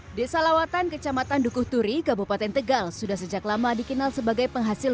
hai desa lawatan kecamatan dukuh turi kabupaten tegal sudah sejak lama dikenal sebagai penghasil